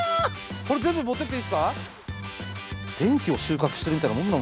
これ全部持ってっていいんですか？